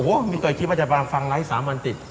โอ้โหมีตัวอย่างคิดว่าจะฟังไลท์๓วันติด